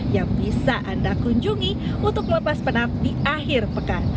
yang bisa anda kunjungi untuk lepas penat di akhir pekan